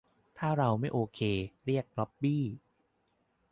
ถ้าเราไม่โอเค เรียก "ล็อบบี้"